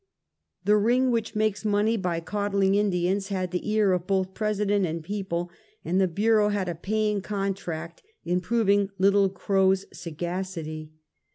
The ring which makes money by candling Indians, had tlie ear of both President and people, and the Bureau had a paying con tract in proving Little Crow's sagacity.